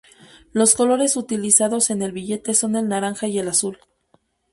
Los colores utilizados en el billete son el naranja y el azul.